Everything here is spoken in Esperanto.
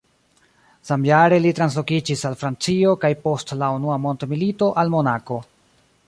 Samjare li translokiĝis al Francio kaj post la Unua Mondmilito al Monako.